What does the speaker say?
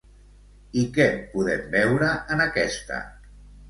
I què podem veure en aquesta?